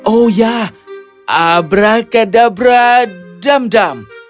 oh ya abrakadabra dam dam